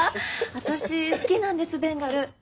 私好きなんですベンガル。